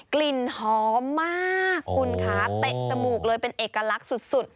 กลิ่นหอมมากคุณคะเตะจมูกเลยเป็นเอกลักษณ์สุด